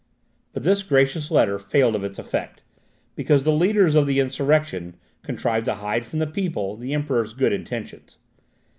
But this gracious letter failed of its effect, because the leaders of the insurrection contrived to hide from the people the Emperor's good intentions.